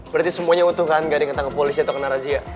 berarti semuanya utuh kan gak ada yang ketangkep polis atau kena razia